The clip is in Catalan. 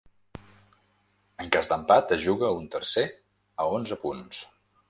En cas d'empat es juga un tercer a onze punts.